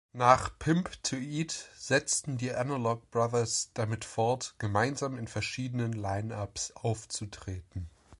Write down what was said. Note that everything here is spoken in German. Nach „Pimp to Eat", setzten die Analog Brothers damit fort, gemeinsam in verschiedenen Line-Ups aufzutreten.